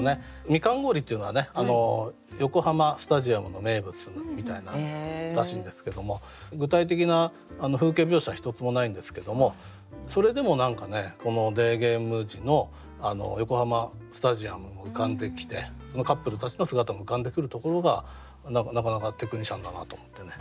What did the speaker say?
「みかん氷」っていうのは横浜スタジアムの名物らしいんですけども具体的な風景描写は一つもないんですけどもそれでも何かデーゲーム時の横浜スタジアムも浮かんできてそのカップルたちの姿も浮かんでくるところがなかなかテクニシャンだなと思ってね。